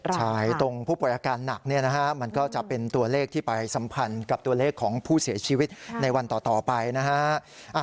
ใช่ตรงผู้ป่วยอาการหนักเนี่ยนะฮะมันก็จะเป็นตัวเลขที่ไปสัมพันธ์กับตัวเลขของผู้เสียชีวิตในวันต่อไปนะฮะ